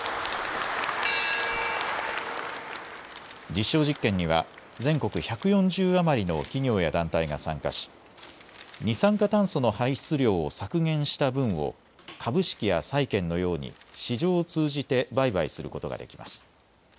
実証実験には全国１４０余りの企業や団体が参加し二酸化炭素の排出量を削減した分を株式や債券のように市場を通じて売買することができます。